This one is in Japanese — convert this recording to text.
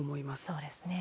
そうですね。